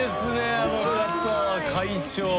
あの方は会長。